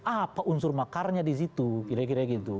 apa unsur makarnya di situ kira kira gitu